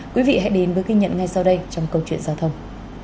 quý vị hãy đến với ghi nhận ngay sau đây trong câu chuyện giao thông